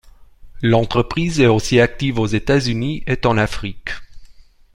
L'entreprise est aussi active aux États-Unis et en Afrique.